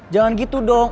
jangan gitu dong